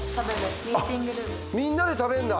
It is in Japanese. みんなで食べんだ